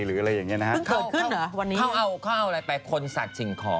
เพิ่งเกิดขึ้นเหรอวันนี้